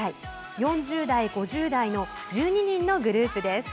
４０代と５０代の１２人のグループです。